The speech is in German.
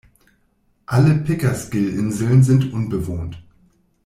Alle "Pickersgill-Inseln" sind unbewohnt.